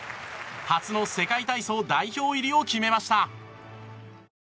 初の世界体操代表入りを決めました。